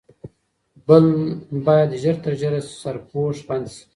باید ژر تر ژره سرپوش بند شي.